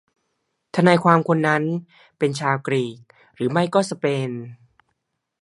ทนายความคนนั้นเป็นชาวกรีกหรือไม่ก็สเปน